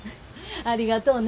ありがとうね。